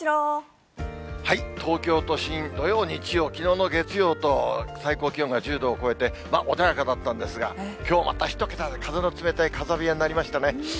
東京都心、土曜、日曜、きのうの月曜と、最高気温が１０度を超えて、穏やかだったんですが、きょうまた１桁で、風の冷たい風冷えになりましたね。